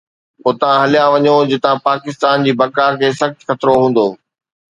اتان هليا وڃو جتان پاڪستان جي بقا کي سخت خطرو هوندو